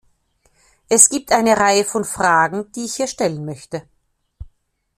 Es gibt eine Reihe von Fragen, die ich hier stellen möchte.